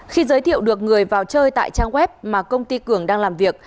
khi giới thiệu được người vào chơi tại trang web mà công ty cường đang làm việc